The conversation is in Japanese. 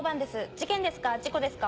事件ですか？